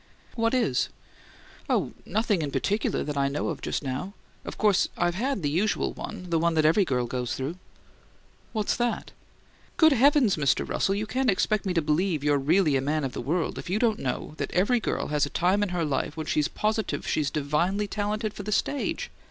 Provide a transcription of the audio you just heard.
"What is?" "Oh, nothing in particular that I know of just now. Of course I've had the usual one: the one that every girl goes through." "What's that?" "Good heavens, Mr. Russell, you can't expect me to believe you're really a man of the world if you don't know that every girl has a time in her life when she's positive she's divinely talented for the stage!